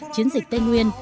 chiến dịch tây nguyên